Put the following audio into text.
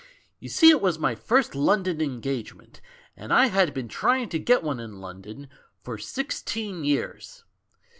You see it was my first London engagement, and I had been trying to get one in London for sixteen years.